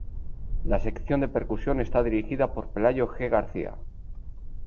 La sección de percusión está dirigida por Pelayo G. García.